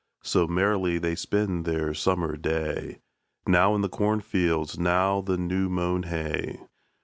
So merrily they spend their summer day, Now in the cornfields, now the new mown hay.